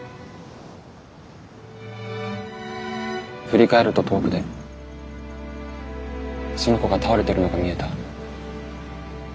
振り返ると遠くでその子が倒れてるのが見えた。